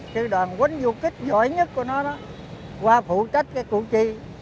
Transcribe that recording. sư đoàn quân vũ kích giỏi nhất của nó đó qua phụ trách cái củ chi